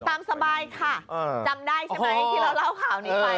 ตามสบายค่ะจำได้ใช่ไหมที่เราเล่าข่าวนี้ไป